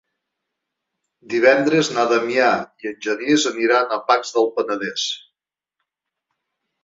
Divendres na Damià i en Genís aniran a Pacs del Penedès.